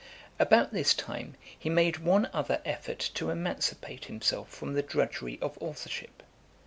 About this time he made one other effort to emancipate himself from the drudgery of authourship.